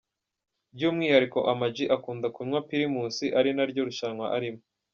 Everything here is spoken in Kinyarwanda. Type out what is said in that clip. By’umwihariko, Ama G akunda kunywa Primus ari naryo rushanwa arimo .